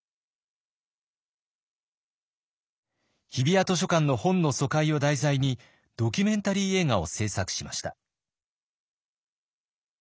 日比谷図書館の本の疎開を題材にドキュメンタリー映画を製作しました。